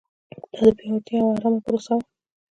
دا د پیاوړتیا یوه ارامه پروسه وه.